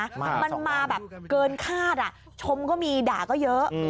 มันมาแรงนะมันมาแบบเกินคาดอะชมก็มีด่าก็เยอะ